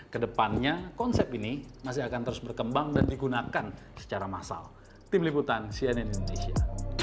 kedepannya konsep ini masih akan terus berkembang dan digunakan secara massal tim liputan cnn indonesia